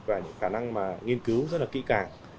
và những khả năng mà nghiên cứu rất là kỹ càng